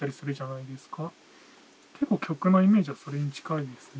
結構曲のイメージはそれに近いですね。